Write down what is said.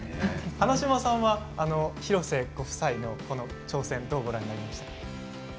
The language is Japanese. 花島さんは廣瀬ご夫妻の挑戦どうご覧になりましたか？